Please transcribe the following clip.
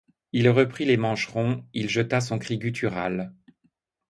Il reprit les mancherons, il jeta son cri guttural.